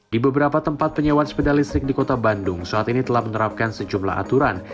di beberapa tempat penyewaan sepeda listrik di kota bandung saat ini telah menerapkan sejumlah aturan